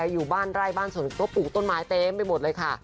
อยู่บ้านไร่บ้านส่วนก็ปลูกต้นไม้เต็มไปหมดเลยค่ะ